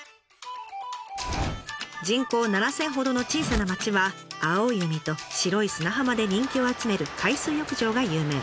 人口７，０００ほどの小さな町は青い海と白い砂浜で人気を集める海水浴場が有名。